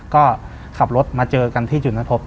ก็ขับรถมาเจอกันที่จุฏภพ